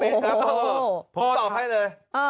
โอ้โฮนั้นไปเลย